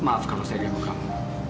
maaf kalau saya diam kamu